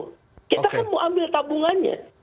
kita kan mau ambil tabungannya